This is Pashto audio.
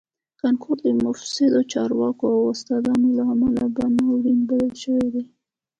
کانکور د مفسدو چارواکو او استادانو له امله په ناورین بدل شوی دی